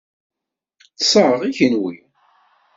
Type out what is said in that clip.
Ṭṣeɣ, i kenwi?